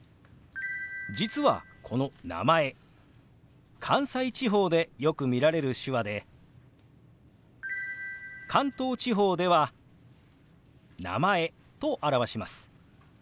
実はこの「名前」関西地方でよく見られる手話で関東地方では「名前」と表します。